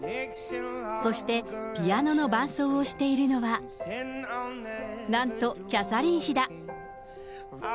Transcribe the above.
そしてピアノの伴奏をしているのは、なんとキャサリン妃だ。